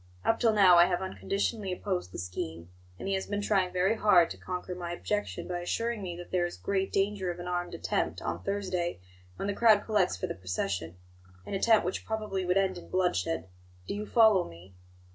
Up till now I have unconditionally opposed the scheme; and he has been trying very hard to conquer my objection by assuring me that there is great danger of an armed attempt on Thursday when the crowd collects for the procession an attempt which probably would end in bloodshed. Do you follow me?"